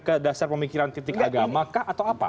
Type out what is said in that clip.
ke dasar pemikiran titik agama kah atau apa